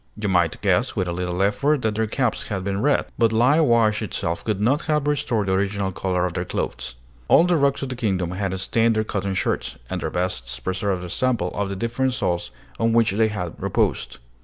You might guess, with a little effort, that their caps had been red; but lye wash itself could not have restored the original color of their clothes. All the rocks of the kingdom had stained their cotton shirts, and their vests preserved a sample of the different soils on which they had reposed.